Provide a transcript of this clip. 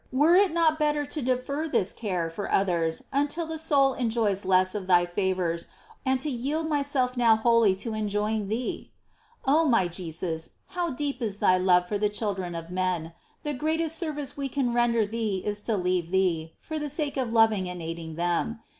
were it not better to defer this care for others until the soul enjoys less of Thy favours, and to yield myself now wholly to enjoying Thee ? 4. Oh, my Jesus ! how deep is Thy love for the children of men ! The greatest service we can render Thee is to leave Thee, for the sake of loving and aiding them.